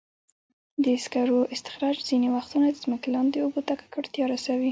د سکرو استخراج ځینې وختونه د ځمکې لاندې اوبو ته ککړتیا رسوي.